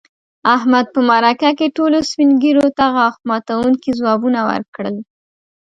احمد په مرکه کې ټولو سپین ږیرو ته غاښ ماتونکي ځوابوه ورکړل.